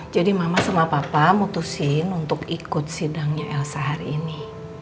jadi mama sama papa mutusin untuk ikut sidangnya elsa hari ini